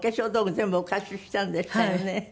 全部お貸ししたんでしたよね。